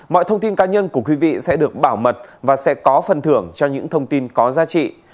mọi thông tin cá nhân của quý vị sẽ được bảo mật và sẽ có phần thưởng cho những thông tin có giá trị